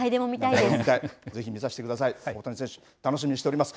目指してください大谷選手楽しみにしております。